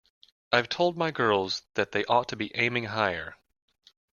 I've told my girls that they ought to be aiming higher.